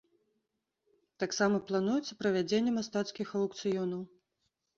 Таксама плануецца правядзенне мастацкіх аўкцыёнаў.